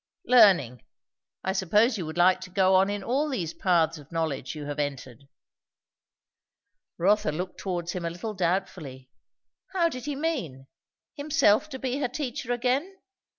"Learning. I suppose you would like to go on in all these paths of knowledge you have entered?" Rotha looked towards him a little doubtfully. How did he mean? Himself to be her teacher again?